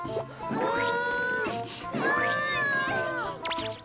うん！